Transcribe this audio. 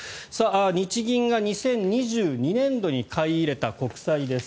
日銀が２０２２年度に買い入れた国債です。